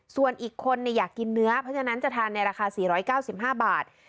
ส่วนอีกคนเนี่ยอยากกินเนื้อเพราะฉะนั้นจะทานในราคาสี่ร้อยเก้าสิบห้าบาท